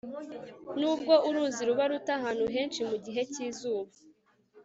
nubwo uruzi ruba ruto ahantu henshi mugihe cyizuba